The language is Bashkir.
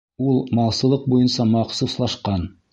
Ул малсылыҡ буйынса махсуслашҡан.